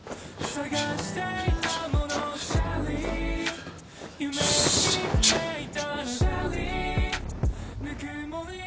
はい。